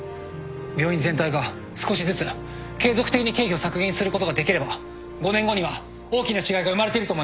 病院全体が少しずつ継続的に経費を削減することができれば５年後には大きな違いが生まれていると思います。